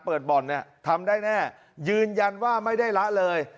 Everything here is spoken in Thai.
บ่อนเนี่ยทำได้แน่ยืนยันว่าไม่ได้ละเลย